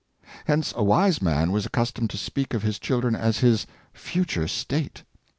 Hence a wise man was accustomed to speak of his children as his " future state."